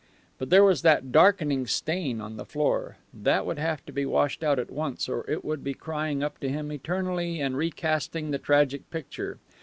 But there was that darkening stain on the floor. That would have to be washed out at once or it would be crying up to him eternally and recasting the tragic picture.